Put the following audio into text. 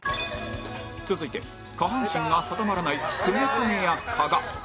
続いて下半身が定まらないクネクネ屋加賀